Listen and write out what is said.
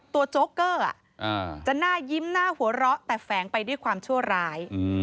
โจ๊กเกอร์จะหน้ายิ้มหน้าหัวเราะแต่แฝงไปด้วยความชั่วร้าย